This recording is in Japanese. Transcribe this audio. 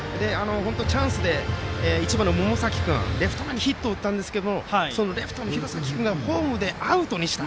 チャンスで１番の百崎君がレフト前にヒットを打ったんですがレフトの廣崎君がホームでアウトにした。